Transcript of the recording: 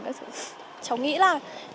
cháu nghĩ là